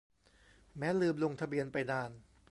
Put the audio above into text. แม้ลืมลงทะเบียนไปนาน